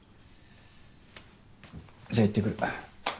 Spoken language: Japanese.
じゃあ行ってくる。